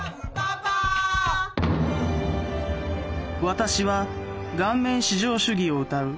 「私は顔面至上主義をうたう」。